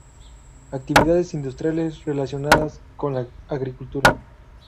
Actividades industriales relacionadas con la agricultura.